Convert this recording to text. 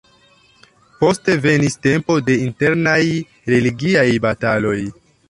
Poste venis tempo de internaj religiaj bataloj.